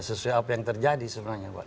sesuai apa yang terjadi sebenarnya pak